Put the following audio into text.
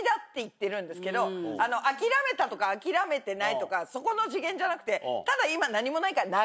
諦めたとか諦めてないとかそこの次元じゃなくてただ。